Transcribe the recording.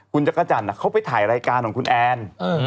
คุณจักรจันทร์เขาไปถ่ายรายการของคุณแอน